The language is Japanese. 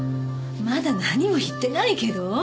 まだ何も言ってないけど。